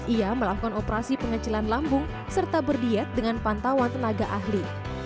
ia melakukan operasi pengecilan lambung serta berdiet dengan pantauan tenaga ahli